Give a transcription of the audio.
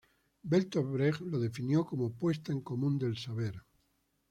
Bertolt Brecht lo definió como "puesta en común del saber".